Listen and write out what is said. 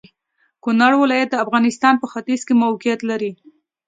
کونړ ولايت د افغانستان په ختيځ کې موقيعت لري.